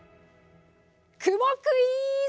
クモクイズ！